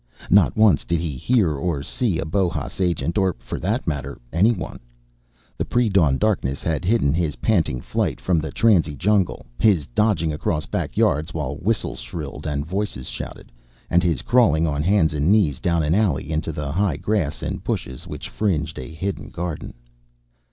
Not once did he hear or see a Bohas agent, or, for that matter, anyone. The predawn darkness had hidden his panting flight from the transie jungle, his dodging across backyards while whistles shrilled and voices shouted, and his crawling on hands and knees down an alley into the high grass and bushes which fringed a hidden garden.